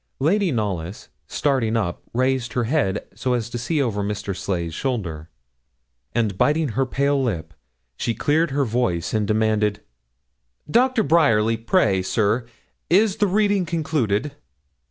Lady Knollys, starting up, raised her head, so as to see over Mr. Sleigh's shoulder, and biting her pale lip, she cleared her voice and demanded 'Doctor Bryerly, pray, sir, is the reading concluded?'